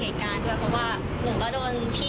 แบบกลายขับขี่ก็ยังไม่มีความรับผิดชอบกันดี